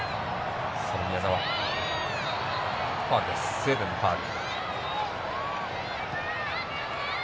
スウェーデンのファウル。